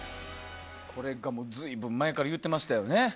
これが随分前から言っていましたよね。